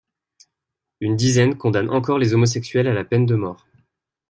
Une dizaine condamne encore les homosexuels à la peine de mort.